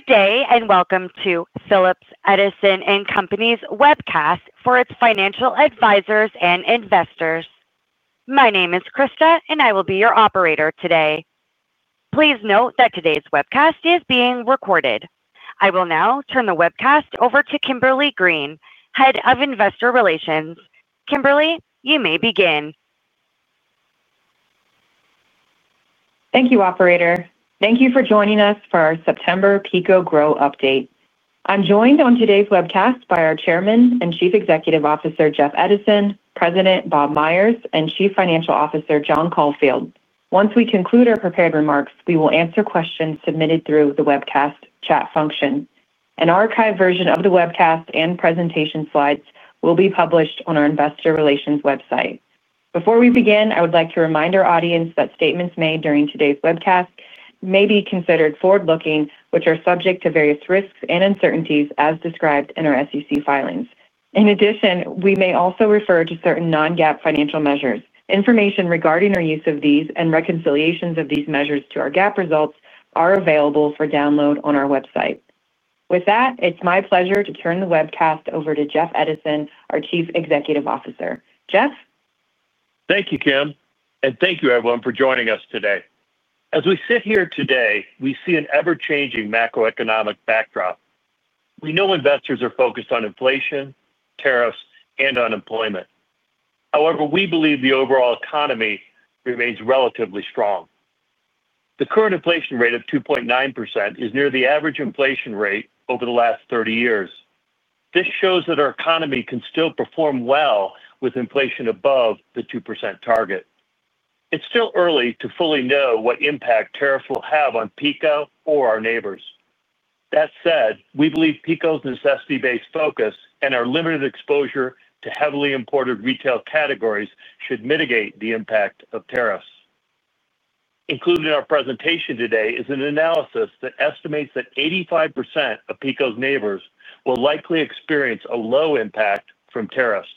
Good day and welcome to Phillips Edison & Company's webcast for its financial advisors and investors. My name is Krista, and I will be your operator today. Please note that today's webcast is being recorded. I will now turn the webcast over to Kimberly Green, Head of Investor Relations. Kimberly, you may begin. Thank you, Operator. Thank you for joining us for our September PICO Grow Update. I'm joined on today's webcast by our Chairman and Chief Executive Officer, Jeff Edison, President Bob Myers, and Chief Financial Officer, John Caulfield. Once we conclude our prepared remarks, we will answer questions submitted through the webcast chat function. An archived version of the webcast and presentation slides will be published on our Investor Relations website. Before we begin, I would like to remind our audience that statements made during today's webcast may be considered forward-looking, which are subject to various risks and uncertainties as described in our SEC filings. In addition, we may also refer to certain non-GAAP financial measures. Information regarding our use of these and reconciliations of these measures to our GAAP results is available for download on our website. With that, it's my pleasure to turn the webcast over to Jeff Edison, our Chief Executive Officer. Jeff? Thank you, Kim, and thank you, everyone, for joining us today. As we sit here today, we see an ever-changing macroeconomic backdrop. We know investors are focused on inflation, tariffs, and unemployment. However, we believe the overall economy remains relatively strong. The current inflation rate of 2.9% is near the average inflation rate over the last 30 years. This shows that our economy can still perform well with inflation above the 2% target. It's still early to fully know what impact tariffs will have on Phillips Edison & Company or our neighbors. That said, we believe Phillips Edison & Company's necessity-based focus and our limited exposure to heavily imported retail categories should mitigate the impact of tariffs. Included in our presentation today is an analysis that estimates that 85% of Phillips Edison & Company's neighbors will likely experience a low impact from tariffs.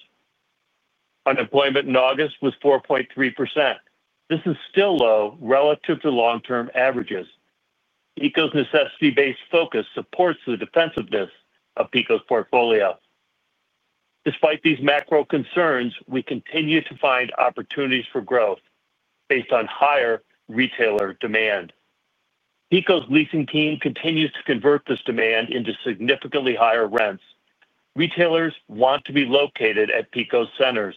Unemployment in August was 4.3%. This is still low relative to long-term averages. Phillips Edison & Company's necessity-based focus supports the defensiveness of Phillips Edison & Company's portfolio. Despite these macro concerns, we continue to find opportunities for growth based on higher retailer demand. Phillips Edison & Company's leasing team continues to convert this demand into significantly higher rents. Retailers want to be located at Phillips Edison & Company's centers,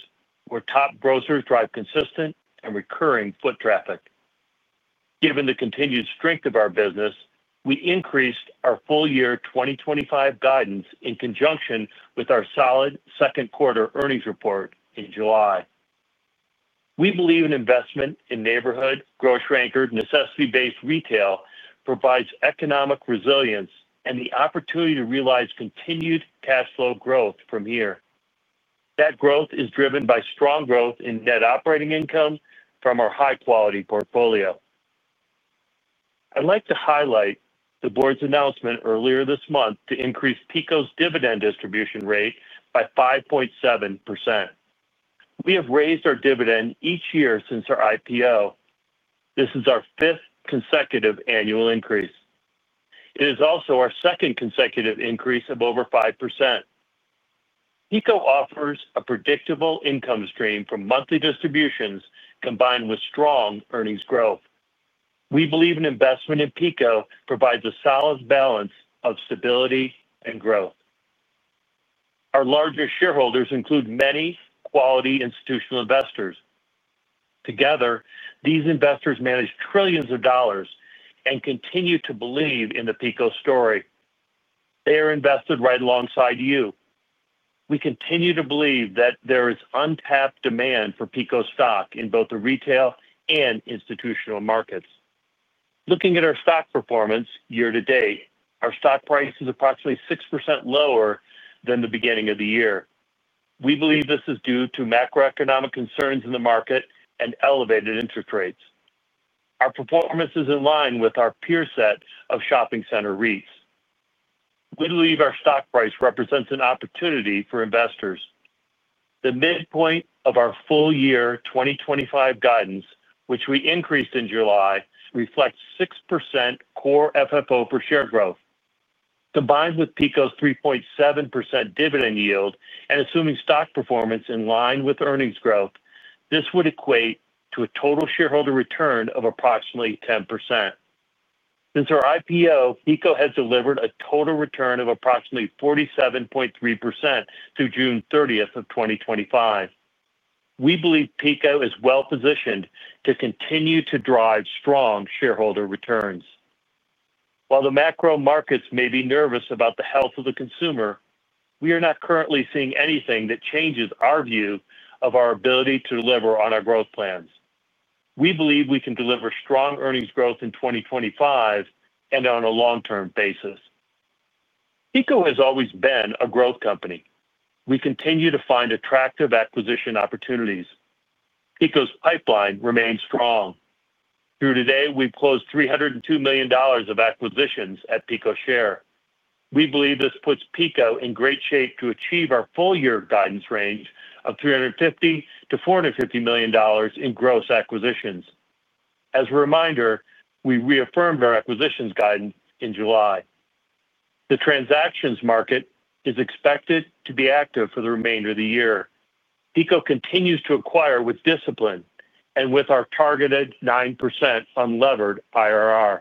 where top grocers drive consistent and recurring foot traffic. Given the continued strength of our business, we increased our full-year 2025 guidance in conjunction with our solid second-quarter earnings report in July. We believe an investment in neighborhood, grocery-anchored, necessity-based retail provides economic resilience and the opportunity to realize continued cash flow growth from here. That growth is driven by strong growth in net operating income from our high-quality portfolio. I'd like to highlight the Board's announcement earlier this month to increase Phillips Edison & Company's dividend distribution rate by 5.7%. We have raised our dividend each year since our IPO. This is our fifth consecutive annual increase. It is also our second consecutive increase of over 5%. Phillips Edison & Company offers a predictable income stream from monthly distributions combined with strong earnings growth. We believe an investment in Phillips Edison & Company provides a solid balance of stability and growth. Our larger shareholders include many quality institutional investors. Together, these investors manage trillions of dollars and continue to believe in the Phillips Edison & Company story. They are invested right alongside you. We continue to believe that there is untapped demand for PICO stock in both the retail and institutional markets. Looking at our stock performance year to date, our stock price is approximately 6% lower than the beginning of the year. We believe this is due to macroeconomic concerns in the market and elevated interest rates. Our performance is in line with our peer set of shopping center REITs. We believe our stock price represents an opportunity for investors. The midpoint of our full-year 2025 guidance, which we increased in July, reflects 6% core FFO per share growth. Combined with PICO's 3.7% dividend yield and assuming stock performance in line with earnings growth, this would equate to a total shareholder return of approximately 10%. Since our IPO, PICO has delivered a total return of approximately 47.3% through June 30, 2025. We believe PICO is well-positioned to continue to drive strong shareholder returns. While the macro markets may be nervous about the health of the consumer, we are not currently seeing anything that changes our view of our ability to deliver on our growth plans. We believe we can deliver strong earnings growth in 2025 and on a long-term basis. PICO has always been a growth company. We continue to find attractive acquisition opportunities. PICO's pipeline remains strong. Through today, we've closed $302 million of acquisitions at PICO share. We believe this puts PICO in great shape to achieve our full-year guidance range of $350 million to $450 million in gross acquisitions. As a reminder, we reaffirmed our acquisitions guidance in July. The transactions market is expected to be active for the remainder of the year. PICO continues to acquire with discipline and with our targeted 9% unlevered IRR.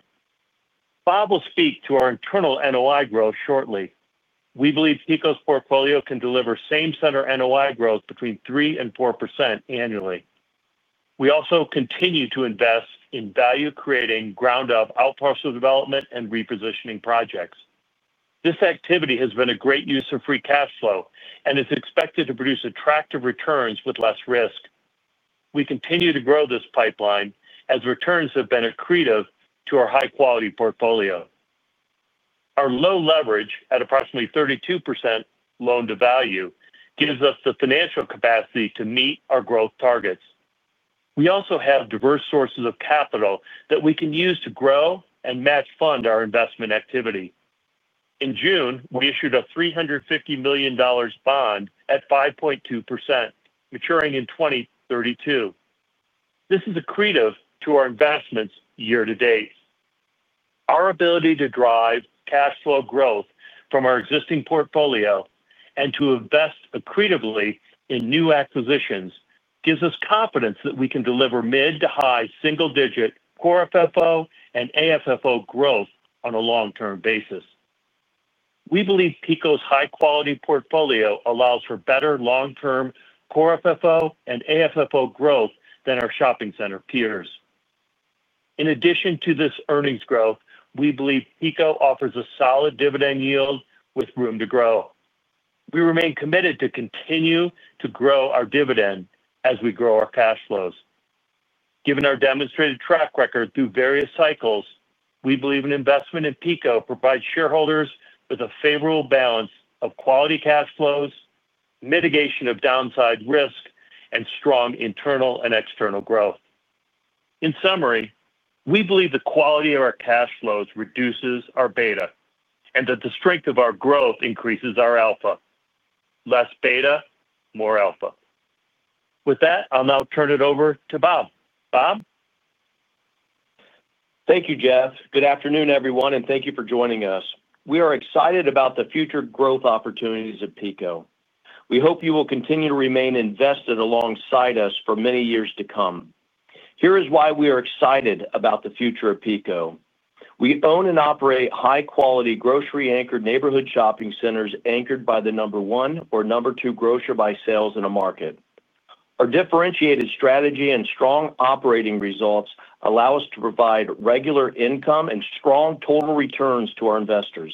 Bob will speak to our internal NOI growth shortly. We believe PICO's portfolio can deliver same-center NOI growth between 3% and 4% annually. We also continue to invest in value-creating ground-up outparcel development and repositioning projects. This activity has been a great use of free cash flow and is expected to produce attractive returns with less risk. We continue to grow this pipeline as returns have been accretive to our high-quality portfolio. Our low leverage at approximately 32% loan to value gives us the financial capacity to meet our growth targets. We also have diverse sources of capital that we can use to grow and match fund our investment activity. In June, we issued a $350 million bond at 5.2%, maturing in 2032. This is accretive to our investments year to date. Our ability to drive cash flow growth from our existing portfolio and to invest accretively in new acquisitions gives us confidence that we can deliver mid to high single-digit core FFO and AFFO growth on a long-term basis. We believe Phillips Edison & Company's high-quality portfolio allows for better long-term core FFO and AFFO growth than our shopping center peers. In addition to this earnings growth, we believe Phillips Edison & Company offers a solid dividend yield with room to grow. We remain committed to continue to grow our dividend as we grow our cash flows. Given our demonstrated track record through various cycles, we believe an investment in Phillips Edison & Company provides shareholders with a favorable balance of quality cash flows, mitigation of downside risk, and strong internal and external growth. In summary, we believe the quality of our cash flows reduces our beta and that the strength of our growth increases our alpha. Less beta, more alpha. With that, I'll now turn it over to Bob. Bob? Thank you, Jeff. Good afternoon, everyone, and thank you for joining us. We are excited about the future growth opportunities at Phillips Edison & Company. We hope you will continue to remain invested alongside us for many years to come. Here is why we are excited about the future of Phillips Edison & Company. We own and operate high-quality grocery-anchored neighborhood shopping centers anchored by the number one or number two grocer by sales in a market. Our differentiated strategy and strong operating results allow us to provide regular income and strong total returns to our investors.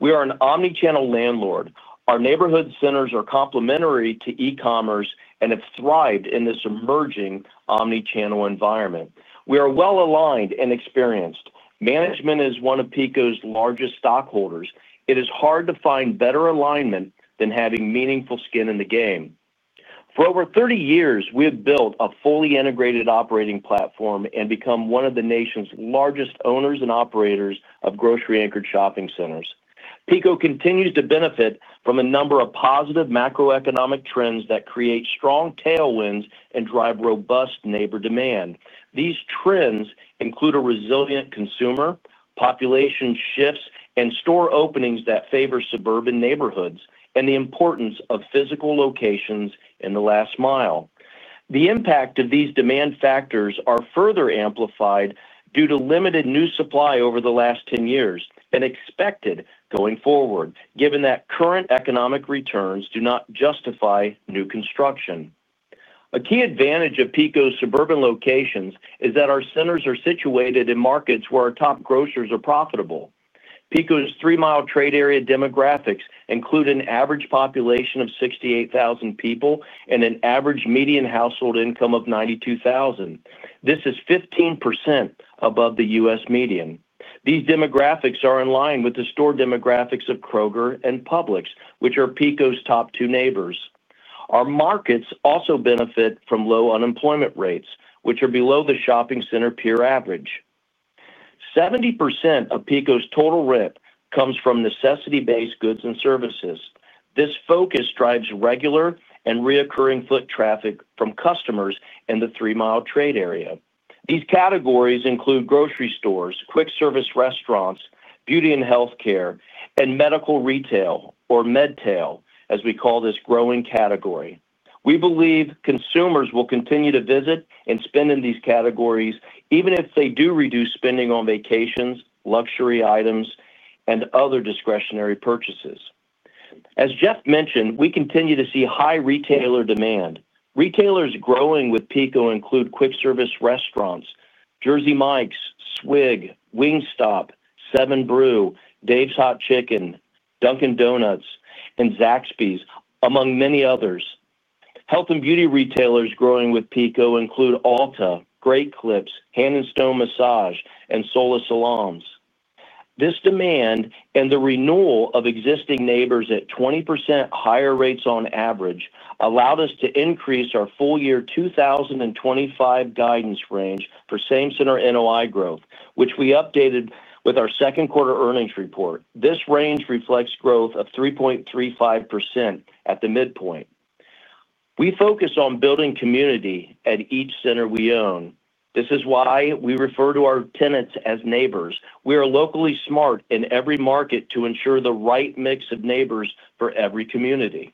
We are an omnichannel landlord. Our neighborhood centers are complementary to e-commerce and have thrived in this emerging omnichannel environment. We are well-aligned and experienced. Management is one of Phillips Edison & Company's largest stockholders. It is hard to find better alignment than having meaningful skin in the game. For over 30 years, we have built a fully integrated operating platform and become one of the nation's largest owners and operators of grocery-anchored shopping centers. Phillips Edison & Company continues to benefit from a number of positive macroeconomic trends that create strong tailwinds and drive robust neighbor demand. These trends include a resilient consumer, population shifts, and store openings that favor suburban neighborhoods, and the importance of physical locations in the last mile. The impact of these demand factors is further amplified due to limited new supply over the last 10 years and expected going forward, given that current economic returns do not justify new construction. A key advantage of PICO's suburban locations is that our centers are situated in markets where our top grocers are profitable. PICO's three-mile trade area demographics include an average population of 68,000 people and an average median household income of $92,000. This is 15% above the U.S. median. These demographics are in line with the store demographics of Kroger and Publix, which are PICO's top two neighbors. Our markets also benefit from low unemployment rates, which are below the shopping center peer average. 70% of PICO's total RIP comes from necessity-based goods and services. This focus drives regular and recurring foot traffic from customers in the three-mile trade area. These categories include grocery stores, quick service restaurants, beauty and healthcare, and medical retail, or MedTail, as we call this growing category. We believe consumers will continue to visit and spend in these categories, even if they do reduce spending on vacations, luxury items, and other discretionary purchases. As Jeff mentioned, we continue to see high retailer demand. Retailers growing with PICO include quick service restaurants, Jersey Mike's, Swig, Wingstop, 7 Brew, Dave's Hot Chicken, Dunkin' Donuts, and Zaxby's, among many others. Health and beauty retailers growing with PICO include Ulta, Great Clips, Hand & Stone Massage, and Sola Salons. This demand and the renewal of existing neighbors at 20% higher rates on average allowed us to increase our full-year 2025 guidance range for same-center NOI growth, which we updated with our second-quarter earnings report. This range reflects growth of 3.35% at the midpoint. We focus on building community at each center we own. This is why we refer to our tenants as neighbors. We are locally smart in every market to ensure the right mix of neighbors for every community.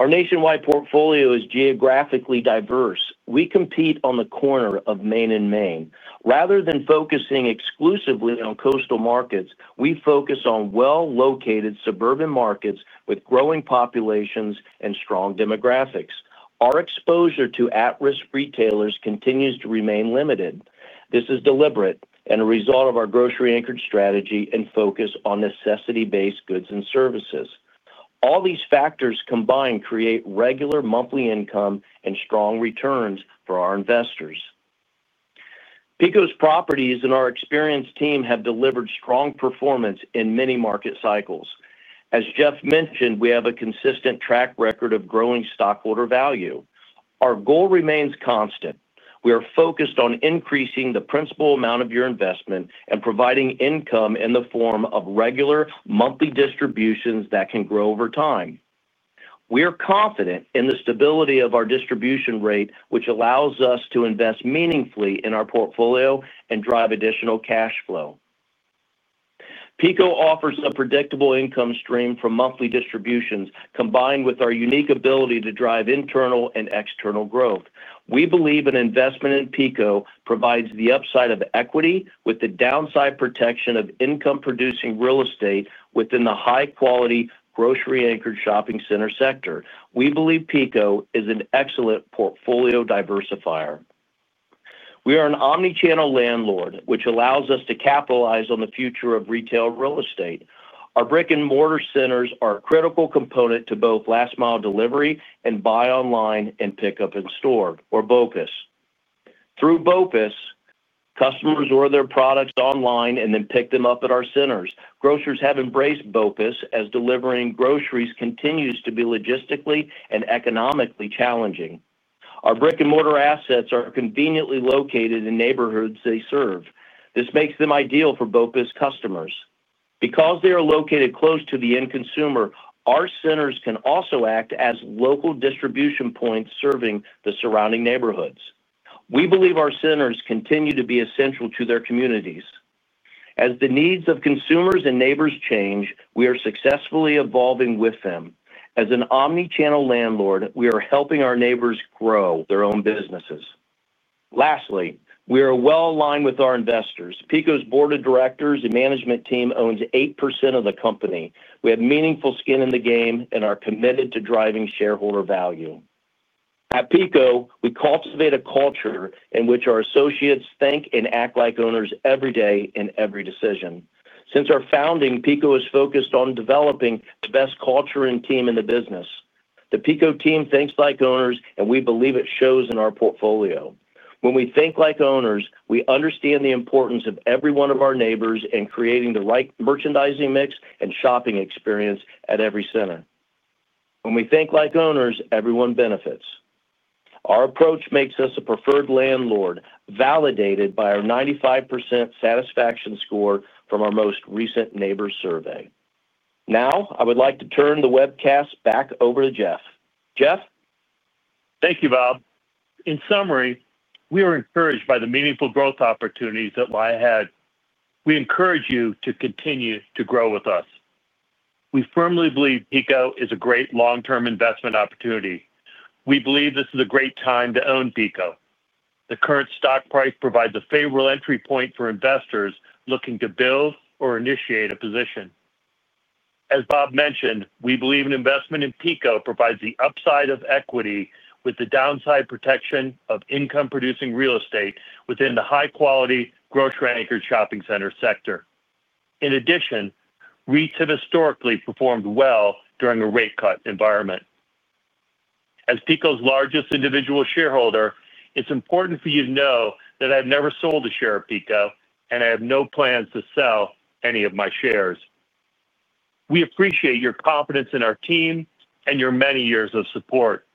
Our nationwide portfolio is geographically diverse. We compete on the corner of Main and Main. Rather than focusing exclusively on coastal markets, we focus on well-located suburban markets with growing populations and strong demographics. Our exposure to at-risk retailers continues to remain limited. This is deliberate and a result of our grocery-anchored strategy and focus on necessity-based goods and services. All these factors combined create regular monthly income and strong returns for our investors. Phillips Edison & Company's properties and our experienced team have delivered strong performance in many market cycles. As Jeff mentioned, we have a consistent track record of growing stockholder value. Our goal remains constant. We are focused on increasing the principal amount of your investment and providing income in the form of regular monthly distributions that can grow over time. We are confident in the stability of our distribution rate, which allows us to invest meaningfully in our portfolio and drive additional cash flow. Phillips Edison & Company offers a predictable income stream from monthly distributions combined with our unique ability to drive internal and external growth. We believe an investment in Phillips Edison & Company provides the upside of equity with the downside protection of income-producing real estate within the high-quality grocery-anchored neighborhood shopping center sector. We believe Phillips Edison & Company is an excellent portfolio diversifier. We are an omnichannel landlord, which allows us to capitalize on the future of retail real estate. Our brick-and-mortar centers are a critical component to both last-mile distribution and buy online, pick up in store, or BOPIS. Through BOPIS, customers order their products online and then pick them up at our centers. Grocers have embraced BOPIS as delivering groceries continues to be logistically and economically challenging. Our brick-and-mortar assets are conveniently located in neighborhoods they serve. This makes them ideal for BOPIS customers. Because they are located close to the end consumer, our centers can also act as local distribution points serving the surrounding neighborhoods. We believe our centers continue to be essential to their communities. As the needs of consumers and neighbors change, we are successfully evolving with them. As an omnichannel landlord, we are helping our neighbors grow their own businesses. Lastly, we are well-aligned with our investors. Phillips Edison & Company's board of directors and management team owns 8% of the company. We have meaningful skin in the game and are committed to driving shareholder value. At Phillips Edison & Company, we cultivate a culture in which our associates think and act like owners every day in every decision. Since our founding, Phillips Edison & Company has focused on developing the best culture and team in the business. The Phillips Edison & Company team thinks like owners, and we believe it shows in our portfolio. When we think like owners, we understand the importance of every one of our neighbors in creating the right merchandising mix and shopping experience at every center. When we think like owners, everyone benefits. Our approach makes us a preferred landlord, validated by our 95% satisfaction score from our most recent neighbor survey. Now, I would like to turn the webcast back over to Jeff. Jeff? Thank you, Bob. In summary, we are encouraged by the meaningful growth opportunities that lie ahead. We encourage you to continue to grow with us. We firmly believe PICO is a great long-term investment opportunity. We believe this is a great time to own PICO. The current stock price provides a favorable entry point for investors looking to build or initiate a position. As Bob mentioned, we believe an investment in PICO provides the upside of equity with the downside protection of income-producing real estate within the high-quality grocery-anchored shopping center sector. In addition, REITs have historically performed well during a rate cut environment. As PICO's largest individual shareholder, it's important for you to know that I've never sold a share of PICO, and I have no plans to sell any of my shares. We appreciate your confidence in our team and your many years of support.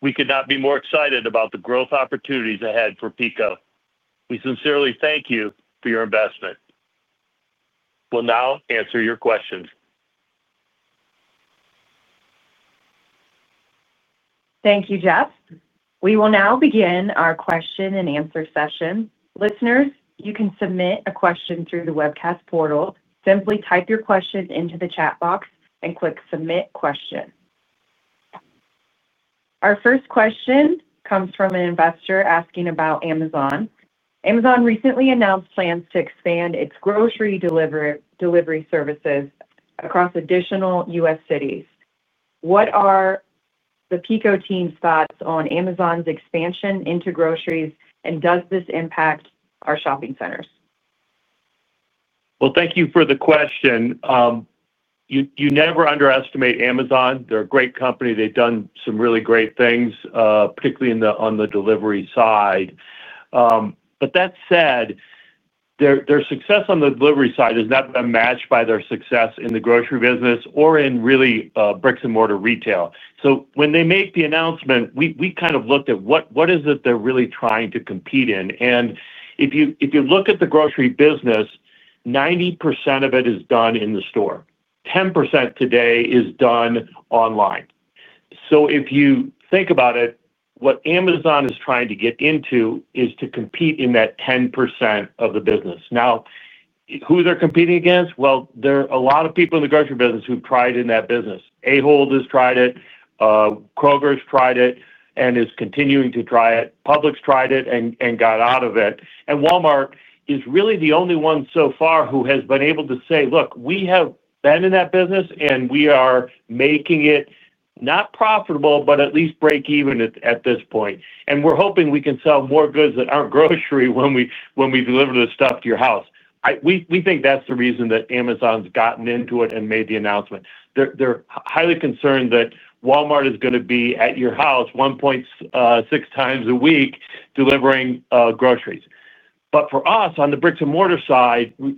We could not be more excited about the growth opportunities ahead for PICO. We sincerely thank you for your investment. We'll now answer your questions. Thank you, Jeff. We will now begin our question and answer session. Listeners, you can submit a question through the webcast portal. Simply type your question into the chat box and click submit question. Our first question comes from an investor asking about Amazon. Amazon recently announced plans to expand its grocery delivery services across additional U.S. cities. What are the PICO team's thoughts on Amazon's expansion into groceries, and does this impact our shopping centers? Thank you for the question. You never underestimate Amazon. They're a great company. They've done some really great things, particularly on the delivery side. That said, their success on the delivery side is not going to match their success in the grocery business or in really bricks and mortar retail. When they make the announcement, we kind of looked at what is it they're really trying to compete in. If you look at the grocery business, 90% of it is done in the store. 10% today is done online. If you think about it, what Amazon is trying to get into is to compete in that 10% of the business. Now, who they're competing against? There are a lot of people in the grocery business who've tried in that business. Ahold has tried it. Kroger has tried it and is continuing to try it. Publix tried it and got out of it. Walmart is really the only one so far who has been able to say, look, we have been in that business and we are making it not profitable, but at least break even at this point. We're hoping we can sell more goods at our grocery when we deliver this stuff to your house. We think that's the reason that Amazon's gotten into it and made the announcement. They're highly concerned that Walmart is going to be at your house 1.6 times a week delivering groceries. For us on the bricks and mortar side, the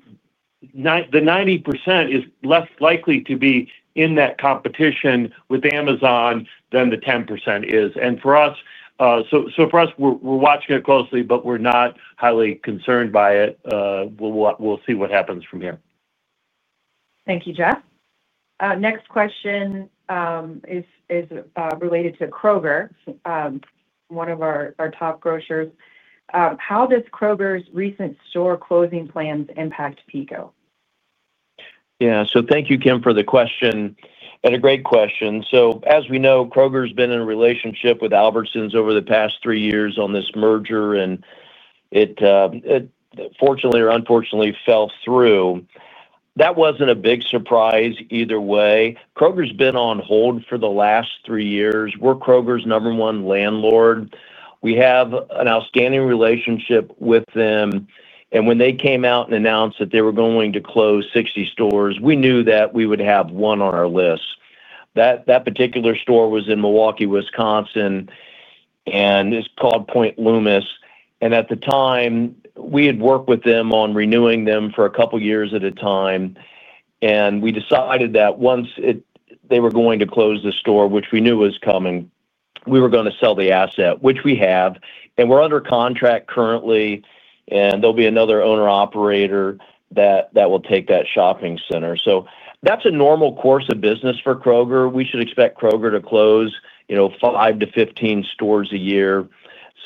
90% is less likely to be in that competition with Amazon than the 10% is. For us, we're watching it closely, but we're not highly concerned by it. We'll see what happens from here. Thank you, Jeff. Next question is related to Kroger, one of our top grocers. How does Kroger's recent store closing plans impact Phillips Edison & Company? Yeah, thank you, Kim, for the question. A great question. As we know, Kroger's been in a relationship with Albertsons over the past three years on this merger, and it fortunately or unfortunately fell through. That wasn't a big surprise either way. Kroger's been on hold for the last three years. We're Kroger's number one landlord. We have an outstanding relationship with them. When they came out and announced that they were going to close 60 stores, we knew that we would have one on our list. That particular store was in Milwaukee, Wisconsin, and it's called Point Lumis. At the time, we had worked with them on renewing them for a couple of years at a time. We decided that once they were going to close the store, which we knew was coming, we were going to sell the asset, which we have. We're under contract currently, and there'll be another owner-operator that will take that shopping center. That's a normal course of business for Kroger. We should expect Kroger to close 5 to 15 stores a year.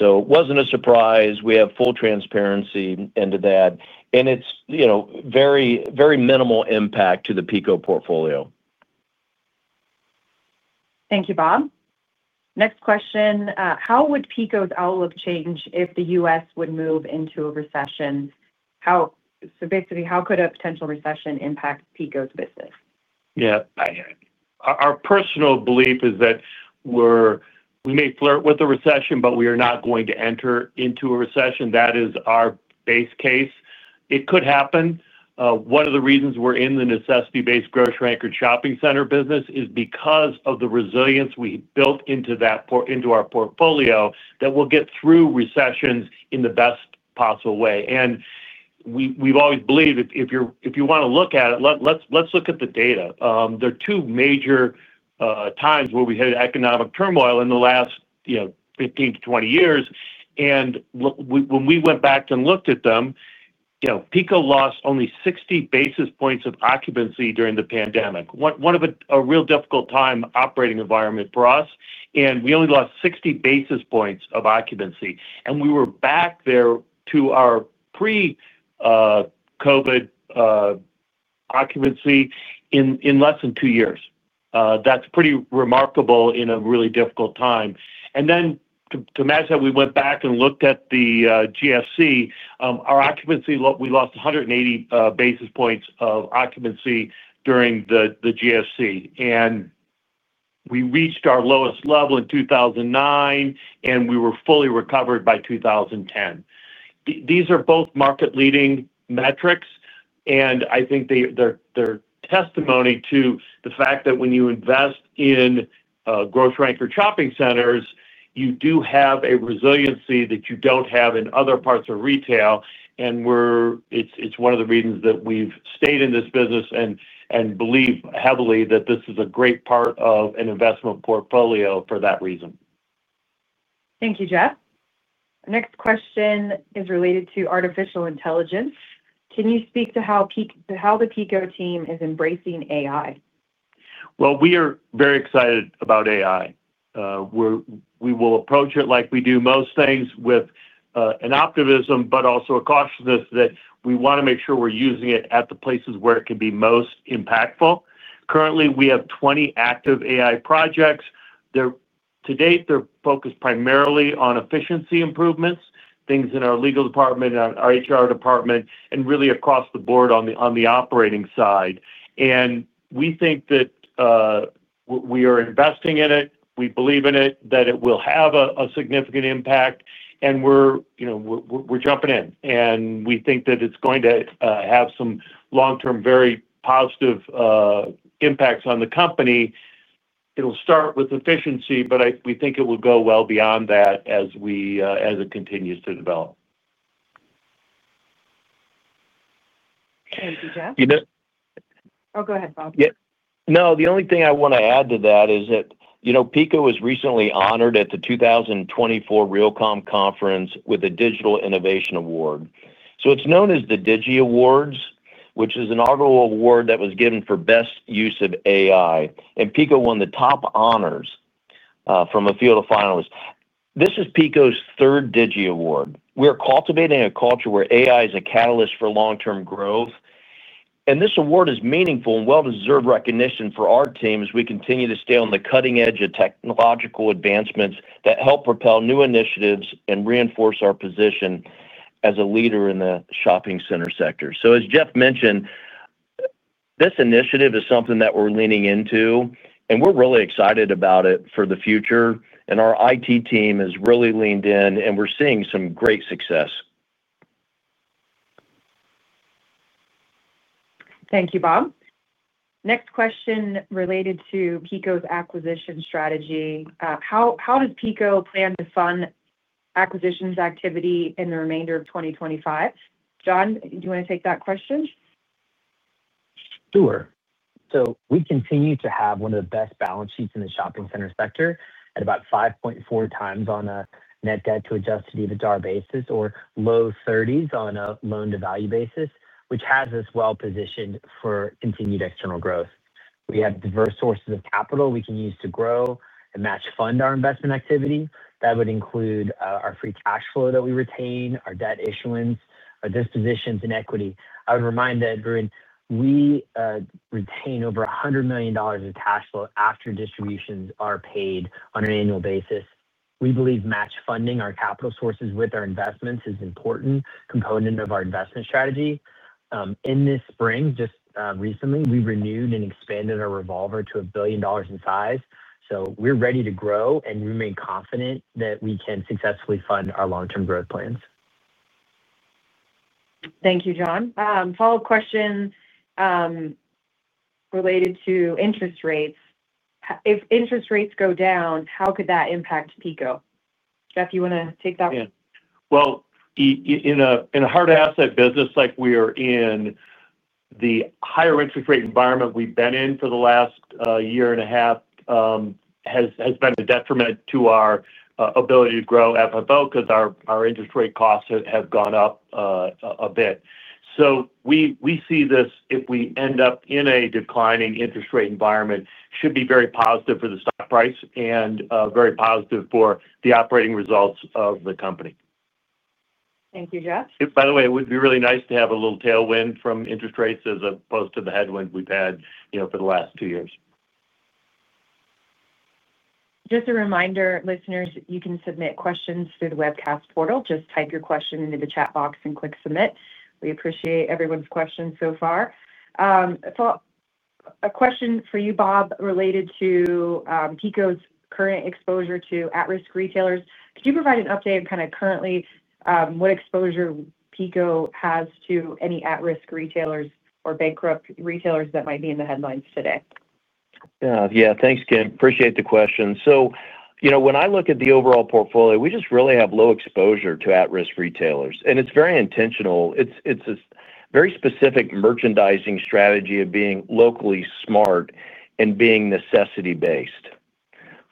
It wasn't a surprise. We have full transparency into that, and it's very, very minimal impact to the Phillips Edison & Company portfolio. Thank you, Bob. Next question. How would PICO's outlook change if the U.S. would move into a recession? Basically, how could a potential recession impact PICO's business? Yeah, our personal belief is that we may flirt with a recession, but we are not going to enter into a recession. That is our base case. It could happen. One of the reasons we're in the necessity-based grocery-anchored neighborhood shopping center business is because of the resilience we built into our portfolio that will get through recessions in the best possible way. We've always believed that if you want to look at it, let's look at the data. There are two major times where we had economic turmoil in the last, you know, 15 to 20 years. When we went back and looked at them, Phillips Edison & Company lost only 60 basis points of occupancy during the pandemic, one of a real difficult time operating environment for us. We only lost 60 basis points of occupancy, and we were back there to our pre-COVID occupancy in less than two years. That's pretty remarkable in a really difficult time. To match that, we went back and looked at the GFC. Our occupancy, we lost 180 basis points of occupancy during the GFC. We reached our lowest level in 2009, and we were fully recovered by 2010. These are both market-leading metrics. I think they're testimony to the fact that when you invest in grocery-anchored neighborhood shopping centers, you do have a resiliency that you don't have in other parts of retail. It's one of the reasons that we've stayed in this business and believe heavily that this is a great part of an investment portfolio for that reason. Thank you, Jeff. Next question is related to artificial intelligence. Can you speak to how the Phillips Edison & Company team is embracing AI? We are very excited about artificial intelligence. We will approach it like we do most things, with optimism, but also a cautiousness that we want to make sure we're using it at the places where it can be most impactful. Currently, we have 20 active artificial intelligence projects. To date, they're focused primarily on efficiency improvements, things in our legal department, our HR department, and really across the board on the operating side. We think that we are investing in it. We believe in it, that it will have a significant impact. We're jumping in, and we think that it's going to have some long-term, very positive impacts on the company. It'll start with efficiency, but we think it will go well beyond that as it continues to develop. Thank you, Jeff. You know. Oh, go ahead, Bob. No, the only thing I want to add to that is that, you know, Phillips Edison & Company was recently honored at the 2024 REALCOMM Conference with a Digital Innovation Award. It is known as the DIGI Awards, which is an inaugural award that was given for best use of artificial intelligence. Phillips Edison & Company won the top honors from a field of finalists. This is Phillips Edison & Company's third DIGI Award. We are cultivating a culture where artificial intelligence is a catalyst for long-term growth. This award is meaningful and well-deserved recognition for our team as we continue to stay on the cutting edge of technological advancements that help propel new initiatives and reinforce our position as a leader in the shopping center sector. As Jeff mentioned, this initiative is something that we're leaning into, and we're really excited about it for the future. Our IT team has really leaned in, and we're seeing some great success. Thank you, Bob. Next question related to Phillips Edison & Company's acquisition strategy. How does Phillips Edison & Company plan to fund acquisitions activity in the remainder of 2025? John, do you want to take that question? Sure. We continue to have one of the best balance sheets in the shopping center sector at about 5.4 times on a net debt to adjusted EBITDA basis or low 30s on a loan-to-value basis, which has us well positioned for continued external growth. We have diverse sources of capital we can use to grow and match fund our investment activity. That would include our free cash flow that we retain, our debt issuance, our dispositions, and equity. I would remind everyone, we retain over $100 million of cash flow after distributions are paid on an annual basis. We believe match funding our capital sources with our investments is an important component of our investment strategy. This spring, just recently, we renewed and expanded our revolver to $1 billion in size. We are ready to grow and remain confident that we can successfully fund our long-term growth plans. Thank you, John. Follow-up question related to interest rates. If interest rates go down, how could that impact Phillips Edison & Company? Jeff, you want to take that? In a hard asset business like we are in, the higher interest rate environment we've been in for the last year and a half has been a detriment to our ability to grow FFO because our interest rate costs have gone up a bit. We see this, if we end up in a declining interest rate environment, should be very positive for the stock price and very positive for the operating results of the company. Thank you, Jeff. By the way, it would be really nice to have a little tailwind from interest rates as opposed to the headwind we've had for the last two years. Just a reminder, listeners, you can submit questions through the webcast portal. Just type your question into the chat box and click submit. We appreciate everyone's questions so far. A question for you, Bob, related to Phillips Edison & Company's current exposure to at-risk retailers. Could you provide an update on currently what exposure Phillips Edison & Company has to any at-risk retailers or bankrupt retailers that might be in the headlines today? Yeah, thanks, Kim. Appreciate the question. When I look at the overall portfolio, we just really have low exposure to at-risk retailers. It's very intentional. It's a very specific merchandising strategy of being locally smart and being necessity-based.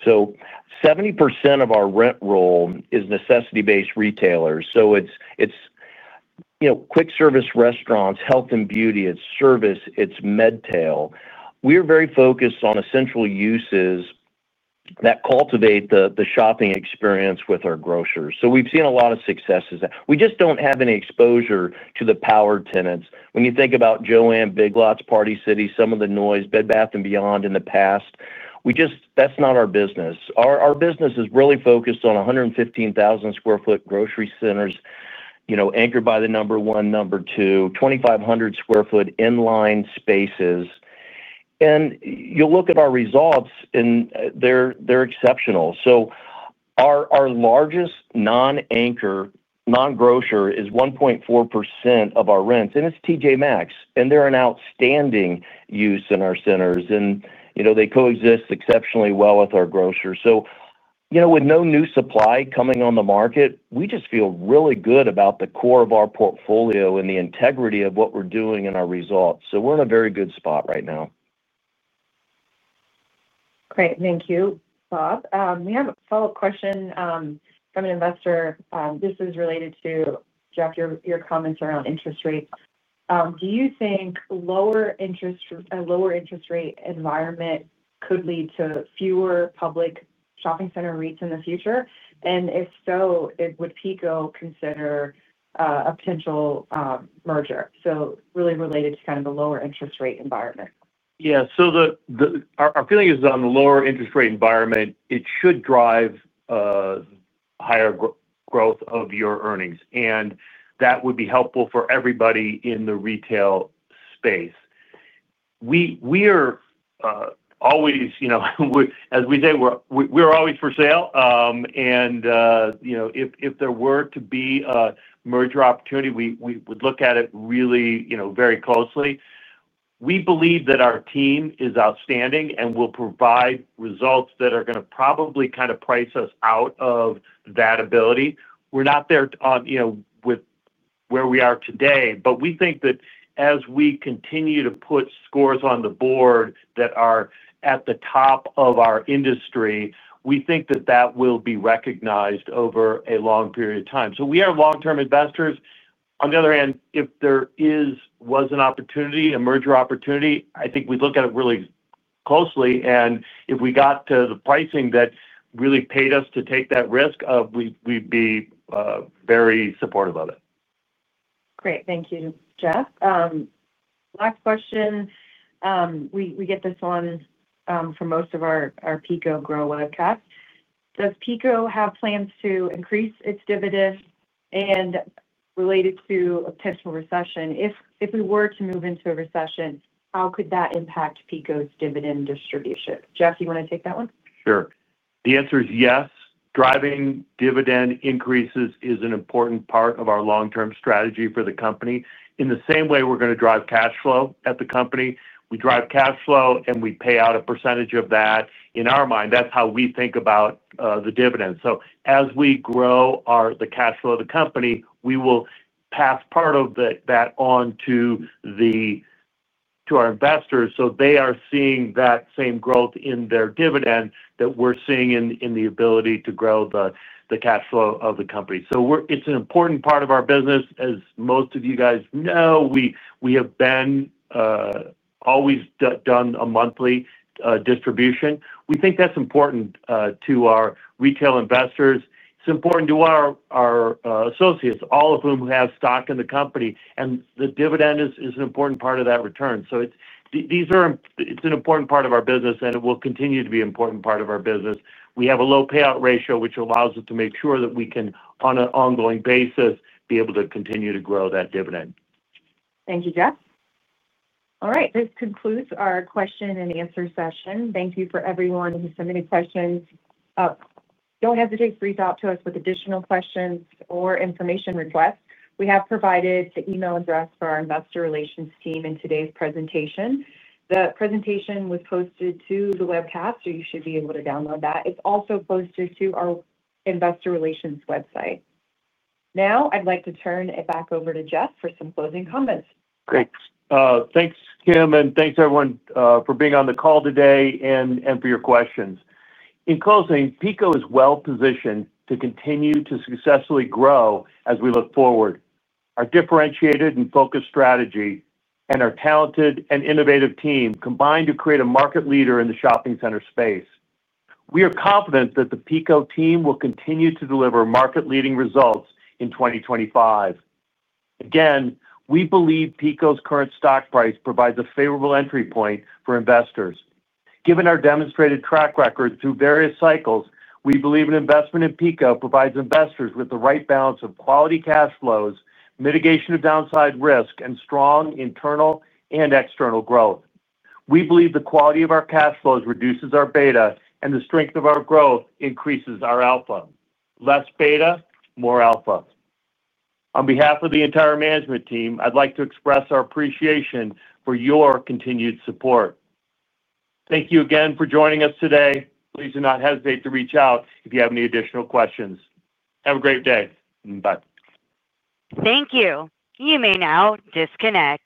70% of our rent roll is necessity-based retailers. It's quick service restaurants, health and beauty, it's service, it's MedTail. We are very focused on essential uses that cultivate the shopping experience with our grocers. We've seen a lot of successes. We just don't have any exposure to the power tenants. When you think about JoAnn, Big Lots, Party City, some of the noise, Bed Bath & Beyond in the past, that's not our business. Our business is really focused on 115,000 square foot grocery centers, anchored by the number one, number two, 2,500 square foot in-line spaces. You'll look at our results, and they're exceptional. Our largest non-anchor, non-grocer is 1.4% of our rents, and it's TJ Maxx. They're an outstanding use in our centers, and they coexist exceptionally well with our grocer. With no new supply coming on the market, we just feel really good about the core of our portfolio and the integrity of what we're doing in our results. We're in a very good spot right now. Great. Thank you, Bob. We have a follow-up question from an investor. This is related to, Jeff, your comments around interest rates. Do you think a lower interest rate environment could lead to fewer public shopping center REITs in the future? If so, would PICO consider a potential merger? Really related to kind of the lower interest rate environment. Yeah, our feeling is that in the lower interest rate environment, it should drive higher growth of your earnings. That would be helpful for everybody in the retail space. We are always, you know, as we say, we're always for sale. If there were to be a merger opportunity, we would look at it really, you know, very closely. We believe that our team is outstanding and will provide results that are going to probably kind of price us out of that ability. We're not there with where we are today, but we think that as we continue to put scores on the board that are at the top of our industry, we think that will be recognized over a long period of time. We are long-term investors. On the other hand, if there was an opportunity, a merger opportunity, I think we'd look at it really closely. If we got to the pricing that really paid us to take that risk, we'd be very supportive of it. Great. Thank you, Jeff. Last question. We get this one from most of our Phillips Edison & Company Grow One podcast. Does Phillips Edison & Company have plans to increase its dividend? Related to a potential recession, if we were to move into a recession, how could that impact Phillips Edison & Company's dividend distribution? Jeff, you want to take that one? Sure. The answer is yes. Driving dividend increases is an important part of our long-term strategy for the company. In the same way, we're going to drive cash flow at the company. We drive cash flow, and we pay out a percentage of that. In our mind, that's how we think about the dividend. As we grow the cash flow of the company, we will pass part of that on to our investors so they are seeing that same growth in their dividend that we're seeing in the ability to grow the cash flow of the company. It's an important part of our business. As most of you guys know, we have always done a monthly distribution. We think that's important to our retail investors. It's important to our associates, all of whom have stock in the company, and the dividend is an important part of that return. It's an important part of our business, and it will continue to be an important part of our business. We have a low payout ratio, which allows us to make sure that we can, on an ongoing basis, be able to continue to grow that dividend. Thank you, Jeff. All right, this concludes our question and answer session. Thank you for everyone who submitted questions. Don't hesitate to reach out to us with additional questions or information requests. We have provided the email address for our Investor Relations team in today's presentation. The presentation was posted to the webcast, so you should be able to download that. It's also posted to our Investor Relations website. Now, I'd like to turn it back over to Jeff for some closing comments. Great. Thanks, Kim, and thanks everyone for being on the call today and for your questions. In closing, Phillips Edison & Company is well-positioned to continue to successfully grow as we look forward. Our differentiated and focused strategy and our talented and innovative team combine to create a market leader in the shopping center space. We are confident that the Phillips Edison & Company team will continue to deliver market-leading results in 2025. Again, we believe Phillips Edison & Company's current stock price provides a favorable entry point for investors. Given our demonstrated track record through various cycles, we believe an investment in Phillips Edison & Company provides investors with the right balance of quality cash flows, mitigation of downside risk, and strong internal and external growth. We believe the quality of our cash flows reduces our beta, and the strength of our growth increases our alpha. Less beta, more alpha. On behalf of the entire management team, I'd like to express our appreciation for your continued support. Thank you again for joining us today. Please do not hesitate to reach out if you have any additional questions. Have a great day. Bye. Thank you. You may now disconnect.